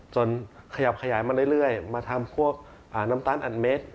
ขยับขยายมาเรื่อยมาทำพวกน้ำตาลอันเม็ด